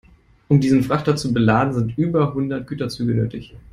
Um diesen Frachter zu beladen, sind über hundert Güterzüge nötig.